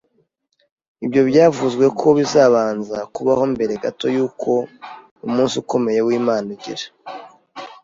Ibihe byavuzwe ko bizabanza kubaho mbere gato y’uko umunsi ukomeye w’Imana ugera.